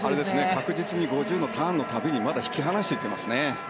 確実に５０ｍのターンの度に引き離していってますね。